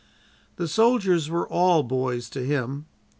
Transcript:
The soldiers were all "boys" to him.